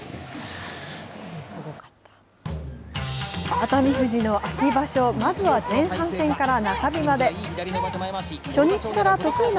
熱海富士の秋場所、まずは前半戦から中日まで。